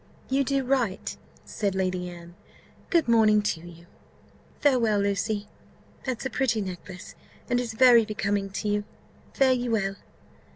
"You do right," said Lady Anne: "good morning to you! Farewell, Lucy! That's a pretty necklace, and is very becoming to you fare ye well!"